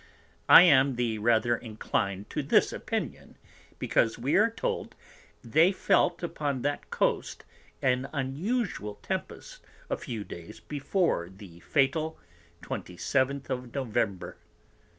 I am the rather inclin'd to this Opinion, because we are told, they felt upon that Coast an unusual Tempest a few Days before the fatal 27th of November.